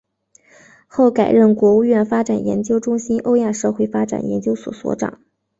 后改任国务院发展研究中心欧亚社会发展研究所所长。